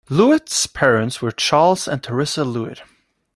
Levitt's parents were Charles and Teresa Levitt.